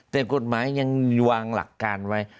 แต่กฎหมายยังวางหลักการไว้